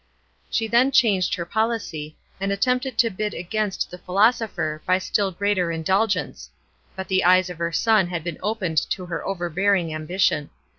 She then changed her policy, and attempted to bid against the philosopher by still greater indulgence ; but the eyes of her son had been opened to her overbearing ambition.